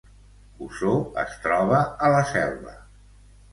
Osor es troba a la Selva